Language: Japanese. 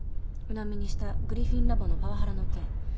うのみにしたグリフィン・ラボのパワハラの件。